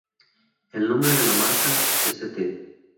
El nombre de la marca 'St.